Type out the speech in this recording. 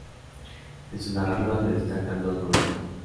En su narrativa se destacan dos novelas.